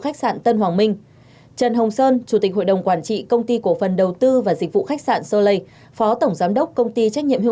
các bị can gồm